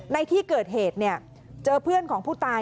ในที่เกิดเหตุเจอเพื่อนของผู้ตาย